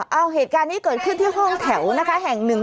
เอาเหตุการณ์นี้เกิดขึ้นที่ห้องแถวนะคะแห่งหนึ่ง